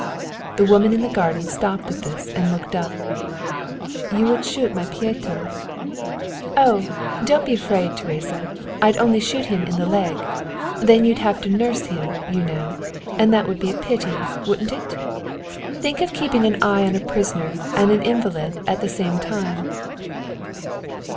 The woman in the garden stopped at this and looked up. "You would shoot my Pieto?" "Oh, don't be afraid, Teresa; I'd only shoot him in the leg. Then you'd have to nurse him, you know, and that would be a pity, wouldn't it? Think of keeping an eye on a prisoner and an invalid at the same time."